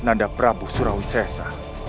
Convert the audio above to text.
nada prabu surawisesa